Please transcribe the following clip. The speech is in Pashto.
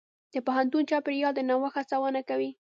د پوهنتون چاپېریال د نوښت هڅونه کوي.